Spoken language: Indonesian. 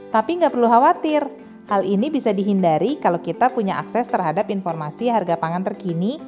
tapi nggak perlu khawatir hal ini bisa dihindari kalau kita punya akses terhadap informasi harga pangan terkini